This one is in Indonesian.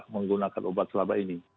menggunakan obat selama ini